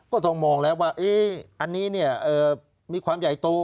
ก็ต้องมองแล้วว่าอันนี้มีความใหญ่โต